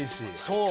そう！